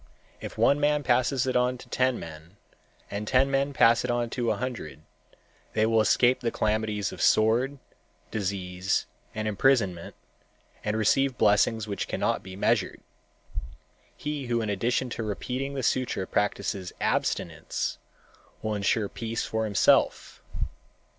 If one man passes it on to ten men and ten men pass it on to a hundred, they will escape the calamities of sword, disease and imprisonment, and receive blessings which cannot be measured. He who in addition to repeating the sutra practices abstinence will insure peace for himself.